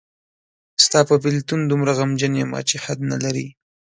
ستاپه بیلتون دومره غمجن یمه چی حد نلری.